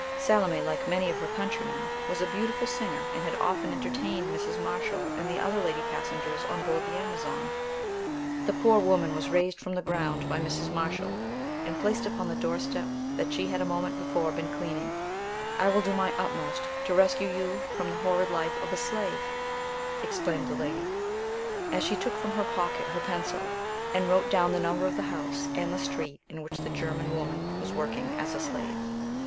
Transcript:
Salome, like many of her countrymen, was a beautiful singer, and had often entertained Mrs. Marshall and the other lady passengers on board the Amazon. The poor woman was raised from the ground by Mrs. Marshall, and placed upon the door step that she had a moment before been cleaning. "I will do my utmost to rescue you from the horrid life of a slave," exclaimed the lady, as she took from her pocket her pencil, and wrote down the number of the house, and the street in which the German woman was working as a slave.